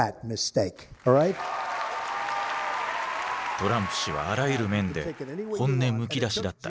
トランプ氏はあらゆる面で本音むき出しだった。